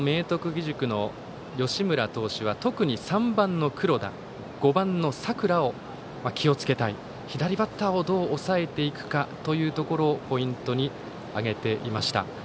義塾の吉村投手は特に３番の黒田、５番の佐倉に気をつけたい左バッターをどう抑えていくかをポイントに挙げていました。